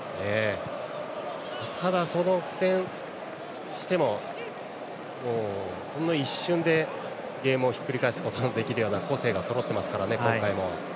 ただ、苦戦をしてもほんの一瞬でゲームをひっくり返すことのできる個性がそろっているので今回も。